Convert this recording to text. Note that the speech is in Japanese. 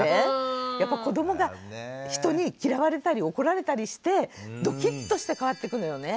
やっぱり子どもが人に嫌われたり怒られたりしてドキッとして変わってくのよね。